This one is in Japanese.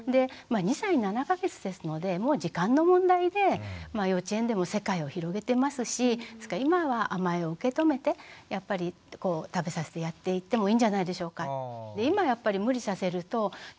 ２歳７か月ですのでもう時間の問題で幼稚園でも世界を広げてますし今は甘えを受け止めてやっぱり食べさせてやっていってもいいんじゃないでしょうか。